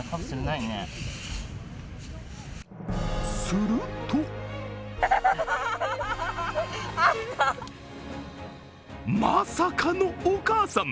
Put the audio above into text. するとまさかのお母さん！